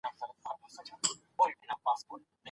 د دې غره لارې ډېرې تنګې او سختې دي.